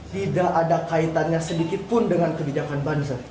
tidak ada kaitannya sedikit pun dengan kebijakan banser